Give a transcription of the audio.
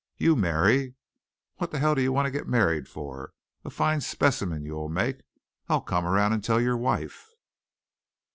"You marry? What the hell do you want to get married for? A fine specimen you will make! I'll come around and tell your wife."